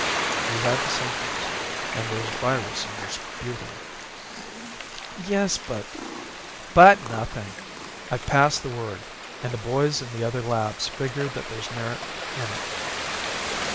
"You had the symptoms. And there's virus in your sputum." "Yes, but " "But, nothing! I've passed the word and the boys in the other labs figure that there's merit in it.